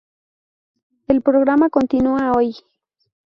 El programa continúa hoy.